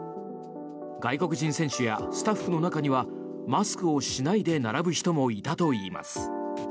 外国人選手やスタッフの中にはマスクをしないで並ぶ人もいたといいます。